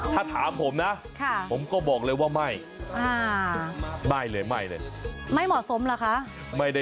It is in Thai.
ถ้าถามผมนะผมก็บอกเลยว่าไม่ไม่เหมาะสมหรือคะ